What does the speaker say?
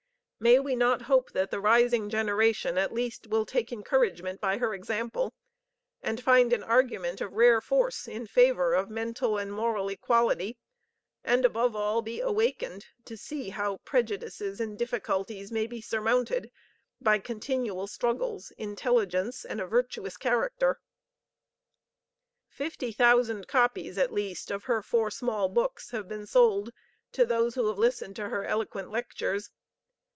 May we not hope that the rising generation at least will take encouragement by her example and find an argument of rare force in favor of mental and moral equality, and above all be awakened to see how prejudices and difficulties may be surmounted by continual struggles, intelligence and a virtuous character? Fifty thousand copies at least of her four small books have been sold to those who have listened to her eloquent lectures.